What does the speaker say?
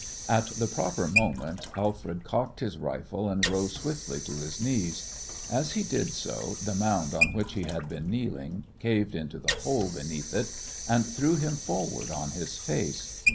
At the proper moment Alfred cocked his rifle and rose swiftly to his knees. As he did so, the mound on which he had been kneeling caved into the hole beneath it, and threw him forward on his face.